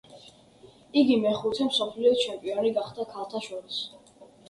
იგი მეხუთე მსოფლიო ჩემპიონი გახდა ქალთა შორის.